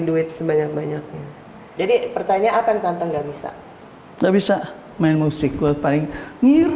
duit sebanyak banyaknya jadi pertanyaan apa yang tantang nggak bisa nggak bisa main musik lu paling